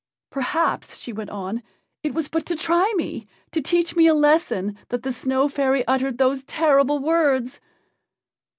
"Perhaps," she went on, "it was but to try me, to teach me a lesson, that the Snow fairy uttered those terrible words."